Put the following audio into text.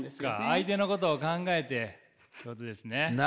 相手のことを考えてってことですね。